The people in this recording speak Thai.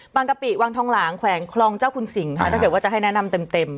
กะปิวังทองหลางแขวงคลองเจ้าคุณสิงค่ะถ้าเกิดว่าจะให้แนะนำเต็ม